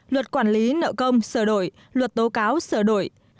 luật quản lý nợ công sờ đổi luật tố cáo sờ đổi